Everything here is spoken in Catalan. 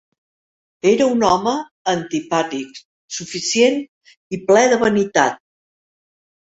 Era un home antipàtic, suficient i ple de vanitat.